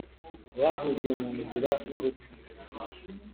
bahuriye mu nzira n'urupfu,